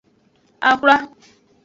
Axwla.